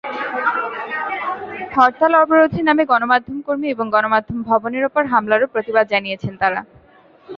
হরতাল-অবরোধের নামে গণমাধ্যমকর্মী এবং গণমাধ্যম ভবনের ওপর হামলারও প্রতিবাদ জানিয়েছেন তাঁরা।